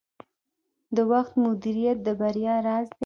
د وخت مدیریت د بریا راز دی.